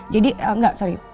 jadi enggak sorry